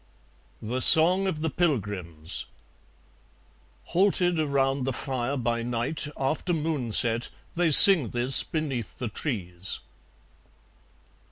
The Song of the Pilgrims (Halted around the fire by night, after moon set, they sing this beneath the trees.)